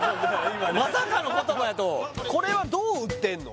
まさかの言葉やとこれはどう売ってんの？